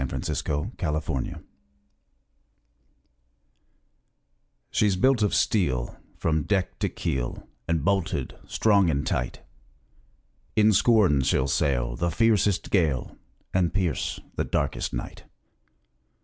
THE WORD OF AN ENGINEER "She's built of steel From deck to keel, And bolted strong and tight; In scorn she'll sail The fiercest gale, And pierce the darkest night.